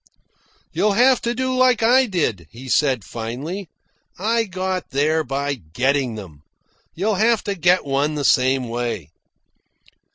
"You'll have to do like I did," he said finally. "I got these by getting them. You'll have to get one the same way."